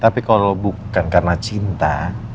tapi kalau bukan karena cinta